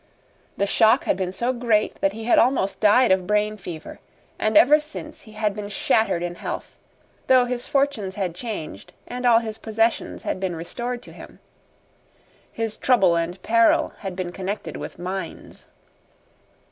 The shock had been so great that he had almost died of brain fever; and ever since he had been shattered in health, though his fortunes had changed and all his possessions had been restored to him. His trouble and peril had been connected with mines.